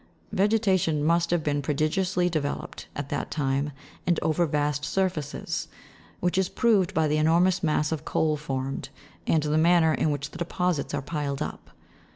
Vegeta tion must have been prodigiously developed, at that time, and over vast surfaces ; which is proved by the enormous mass of coal formed, and the manner in which the deposits are piled up.